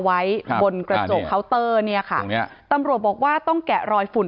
ไว้บนกระจกเคาน์เตอร์เนี่ยค่ะตรงเนี้ยตำรวจบอกว่าต้องแกะรอยฝุ่น